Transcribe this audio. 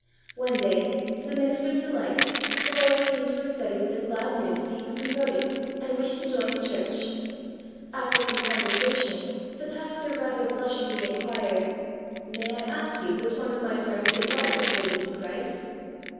One day, to the minister's delight, the lawyer came to his study with the glad news that he was converted, and wished to join the church. After some conversation, the pastor rather blushingly inquired, " May I ask you which one of my sermons it was that led you to Christ